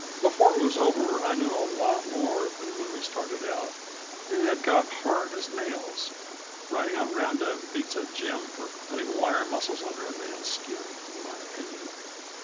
Before it was over I knew a lot more than when we started out, and had got hard as nails; riding on round up beats a gym for putting wire muscles under a man's skin, in my opinion.